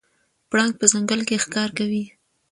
پړانګ په ځنګل کې ښکار کوي.